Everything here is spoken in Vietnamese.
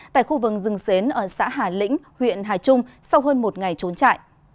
tại khu vực rừng xến ở xã hà lĩnh huyện hà trung sau hơn một ngày trốn chạy